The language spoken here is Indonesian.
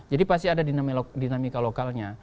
jadi pasti ada dinamika lokalnya